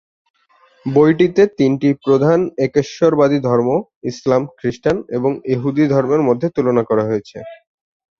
বইটিতে তিনটি প্রধান একেশ্বরবাদী ধর্ম ইসলাম, খ্রিস্টান এবং ইহুদি ধর্মের মধ্যে তুলনা করা হয়েছে।